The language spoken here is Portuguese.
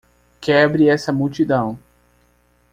Quebre essa multidão!